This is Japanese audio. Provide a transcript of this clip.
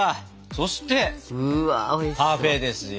そしてパフェですよ。